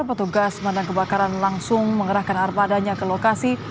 petugas pemadam kebakaran langsung mengerahkan armadanya ke lokasi